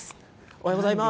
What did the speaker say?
おはようございます。